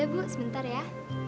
udah bu sebentar ya